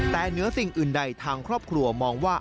แต่เหนือสิ่งอื่นใดทางครอบครัวมองว่า